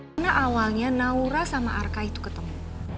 karena awalnya naura sama arka itu ketemu